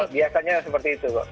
biasanya seperti itu pak